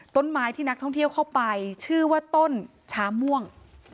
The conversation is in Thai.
ต้นไม้ที่นักท่องเที่ยวเข้าไปชื่อว่าต้นช้าม่วง